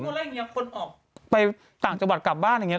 คนล่ะอย่างงี้คนออกไปต่างจังหวัดกลับบ้านอย่างนี้